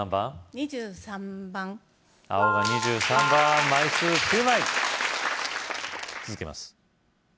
２３番青が２３番枚数９枚続けます